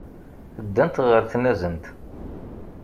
Ddant ɣer tnazent.